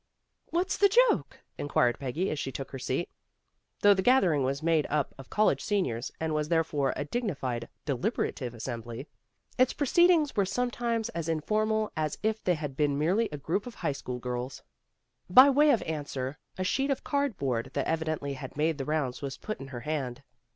"What's the joke?" inquired Peggy, as she took her seat. Though the gathering was made up of college seniors and was therefore a digni A PARTIAL ECLIPSE 257 fied, deliberative assembly, its proceedings were sometimes as informal as if they had been merely a group of high school girls. By way of answer, a sheet of card board that evidently had made the rounds was put in her hand.